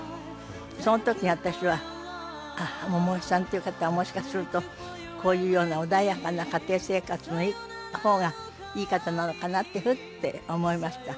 その時私は百恵さんっていう方はもしかするとこういうような穏やかな家庭生活の方がいい方なのかなってふって思いました。